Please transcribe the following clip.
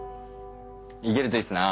いけるといいっすな。